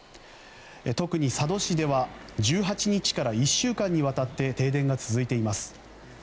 特に佐渡市では１８日から１週間にわたって停電が続いています。